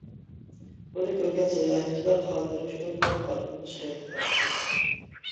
بۇنى كۆرگەن ساياھەتچىلەر خاتىرە ئۈچۈن ئارقا-ئارقىدىن سۈرەتكە تارتىشىدۇ.